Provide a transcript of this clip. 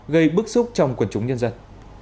gây bức xúc trong quần chúng nhân dân